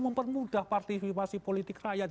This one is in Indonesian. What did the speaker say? mempermudah partisipasi politik rakyat